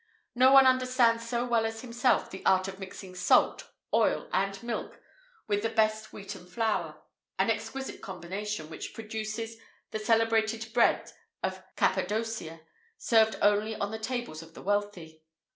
No one understands so well as himself the art of mixing salt, oil, and milk with the best wheaten flour; an exquisite combination, which produces the celebrated bread of Cappadocia, served only on the tables of the wealthy.